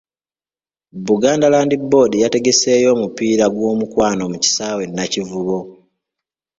Buganda Land Board yategeseeyo omupiira gw'omukwano mu kisaawe e Nakivubo.